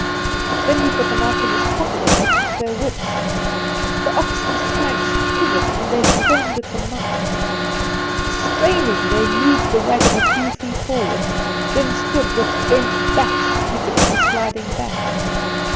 Then he put the knife in his pocket, and they took their whips. The oxen's flanks quivered, and they foamed at the mouth. Straining, they moved the wagon a few feet forward, then stood with bent backs to keep it from sliding back.